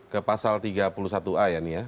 ke pasal tiga puluh satu a ya ini ya